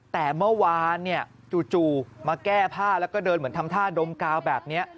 แต่เมื่อวานจู่มาแก้ผ้าแล้วก็เดินเหมือนทำท่าดมกาวแบบนี้